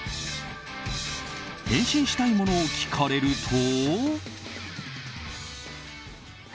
変身したいものを聞かれると。